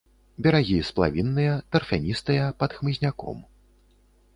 Берагі сплавінныя, тарфяністыя, пад хмызняком.